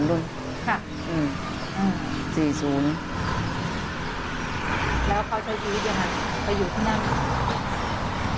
แล้วเขาใช้ชีวิตอย่างไรไปอยู่ที่นั่ง